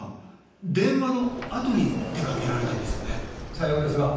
さようですが。